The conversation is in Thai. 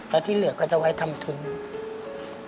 แล้วที่เหลือก็จะไว้ทำทุน